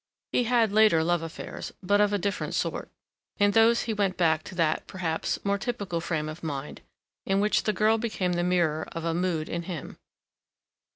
He had later love affairs, but of a different sort: in those he went back to that, perhaps, more typical frame of mind, in which the girl became the mirror of a mood in him.